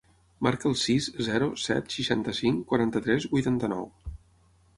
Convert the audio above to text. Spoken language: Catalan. Marca el sis, zero, set, seixanta-cinc, quaranta-tres, vuitanta-nou.